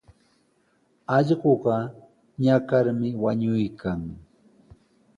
Allquqa ñakarmi wañuykan.